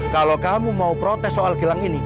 kalau kamu mau protes soal gelang ini